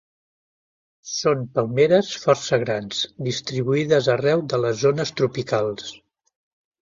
Són palmeres força grans distribuïdes arreu de les zones tropicals.